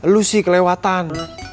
lu sih kelewatan